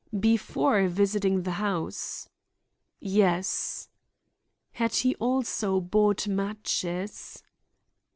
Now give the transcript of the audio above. Before visiting the house? Yes. Had he also bought matches?